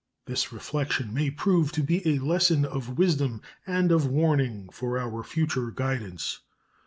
This reflection may prove to be a lesson of wisdom and of warning for our future guidance.